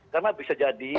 karena bisa jadi